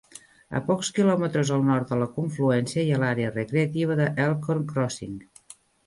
A pocs quilòmetres al nord de la confluència hi ha l'àrea recreativa d'Elkhorn Crossing.